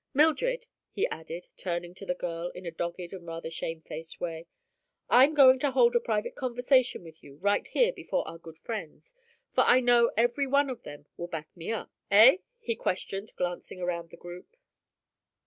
Mildred," he added, turning to the girl in a dogged and rather shamefaced way, "I'm going to hold a private conversation with you right here before our good friends, for I know every one of them will back me up. Eh?" he questioned, glancing around the group.